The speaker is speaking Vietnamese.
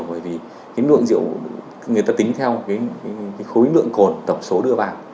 bởi vì cái lượng rượu người ta tính theo cái khối lượng cồn tổng số đưa vào